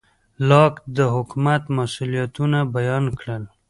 لاک د حکومت مسوولیتونه بیان کړل.